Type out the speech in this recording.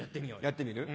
やってみる？